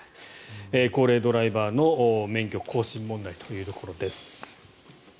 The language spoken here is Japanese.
高齢ドライバーの免許更新問題というところです。